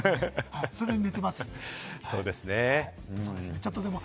それで寝てます、いつも。